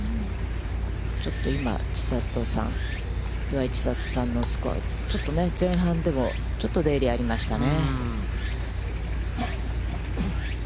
ちょっと今、岩井千怜さんのスコア、ちょっと前半でもちょっと出入りありましたね。